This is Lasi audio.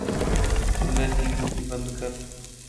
چل جي بتي بندڪر